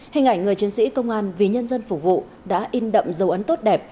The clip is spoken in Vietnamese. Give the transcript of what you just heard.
hình ảnh người chiến sĩ công an vì nhân dân phục vụ đã in đậm dấu ấn tốt đẹp